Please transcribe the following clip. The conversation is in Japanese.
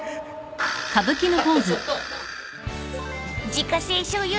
［自家製しょうゆ